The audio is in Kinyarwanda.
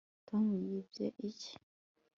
tom yibye iki